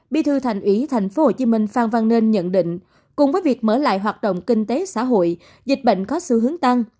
bi thư thành ủy thành phố hồ chí minh phan văn nên nhận định cùng với việc mở lại hoạt động kinh tế xã hội dịch bệnh có sự hướng tăng